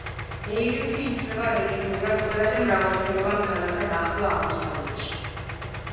ბეირუთი ითვლება რელიგიურად ყველაზე მრავალფეროვან ქალაქად ახლო აღმოსავლეთში.